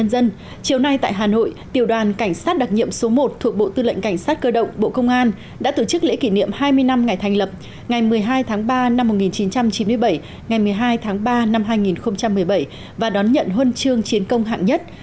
hai mươi năm ngày thành lập ngày một mươi hai tháng ba năm một nghìn chín trăm chín mươi bảy ngày một mươi hai tháng ba năm hai nghìn một mươi bảy và đón nhận huân chương chiến công hạng nhất